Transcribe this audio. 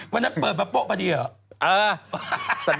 มันเปิดปะปะปะดีหรอ